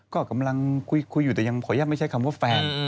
ก็กำลังคุยอยู่แต่ยังขออนุญาตไม่ใช้คำว่าแฟน